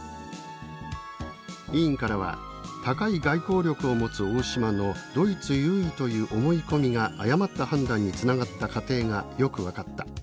委員からは「高い外交力を持つ大島のドイツ優位という思い込みが誤った判断につながった過程がよく分かった。